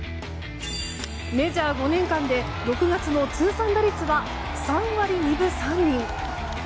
メジャー５年間で６月の通算打率は３割２分３厘。